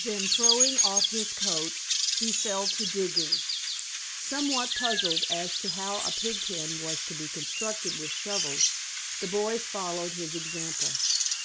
Then, throwing off his coat, he fell to digging. Somewhat puzzled as to how a pig pen was to be constructed with shovels, the boys followed his example.